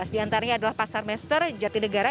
di antaranya adalah pasar master jatidegara